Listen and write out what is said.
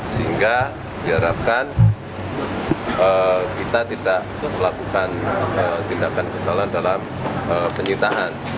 sehingga diharapkan kita tidak melakukan tindakan kesalahan dalam penyitaan